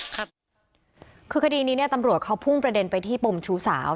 คือคดีนี้เนี่ยตำรวจเขาพุ่งประเด็นไปที่ปมชู้สาว